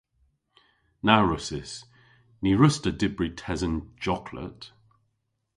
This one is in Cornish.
Na wrussys. Ny wruss'ta dybri tesen joklet.